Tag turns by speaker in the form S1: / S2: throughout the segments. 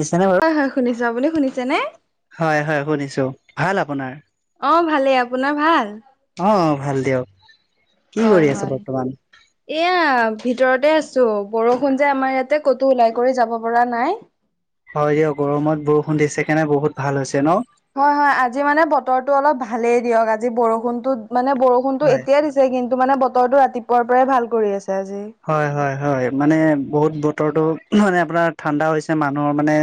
S1: দিচেনে বাৰু?
S2: হয় হয় শুনিছোঁ। আপুনি শুনিছেনে?
S1: হয় হয় শুনিছোঁ। ভাল আপোনাৰ?
S2: অ' ভালেই। আপোনাৰ ভাল?
S1: অ' ভাল দিয়ক। কি
S2: হয়
S1: কৰি আছে
S2: হয়
S1: বৰ্তমান?
S2: এয়া ভিতৰতে আছোঁ, বৰষুণ যে আমাৰ ইয়াতে ক'তো ওলাই কৰি যাব পৰা নাই।
S1: হয় দিয়ক, গৰমত বৰষুণ দিছে কাৰনে বহুত ভাল হৈছে ন'?
S2: হয় হয়, আজি মানে বতৰটো অলপ ভালেই দিয়ক, আজি বৰষুণটো মানে বৰষুণটো
S1: হয়।
S2: এতিয়াই দি ছে কিন্তু মানে বতৰটো ৰাতিপুৱাৰ পৰাই ভাল কৰি আছে আজি।
S1: হয় হয় হয়, মানে বহুত বতৰটো মানে আপোনাৰ ঠাণ্ডা হৈছে, মানুহৰ মানে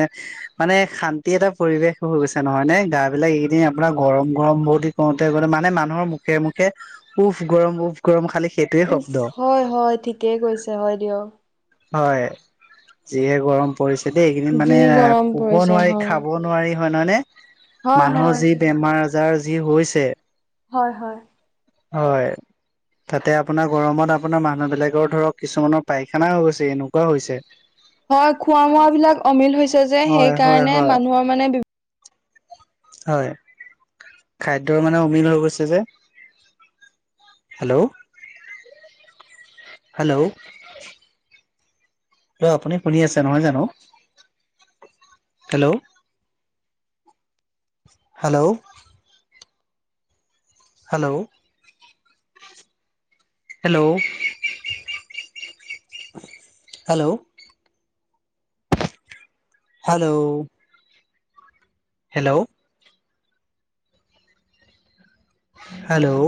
S1: মানে শান্তি এটা পৰিৱেশ হৈ গৈছে নহয় নে, গাবিলাক এইকেইদিন আপোনাৰ গৰম গৰম বডিত কওঁতে কওঁতে মানে মানুহৰ মুখে মুখে উফ গৰম, উফ গৰম খালি সেইটোৱে
S2: উফ
S1: শব্দ।
S2: হয় হয় ঠিকেই কৈছে, হয় দিয়ক।
S1: হয় যিহে গৰম পৰিছে দেই, এই কেইদিন
S2: যি
S1: মানে
S2: গৰম
S1: শুব
S2: পৰিছে
S1: নোৱাৰি,
S2: হয়
S1: খাব নোৱাৰি হয় নহয়নে?
S2: হয়
S1: মানুহৰ
S2: হয়
S1: যি বেমাৰ আজাৰ যি হৈছে
S2: হয় হয়।
S1: হয়। তাতে আপোনাৰ গৰমত আপোনাৰ মানুহবিলাকৰ ধৰক কিছুমানৰ পায়খানাও হৈ গৈছে, এনেকুৱা হৈছে। [inaudible]
S2: হয়, খোৱা বোৱাবিলাক অমিল হৈছে যে
S1: হয় হয়
S2: সেইকাৰণে
S1: হয়
S2: মানুহৰ মানে বি
S1: হয়, খাদ্যৰ মানে অমিল হৈ গৈছে যে। হেল্ল'। হেল্ল'। হেল্ল' আপুনি শুনি আছে নহয় জানো? Hello. Hello. Hello. Hello, hello. Hello. Hello. Hello.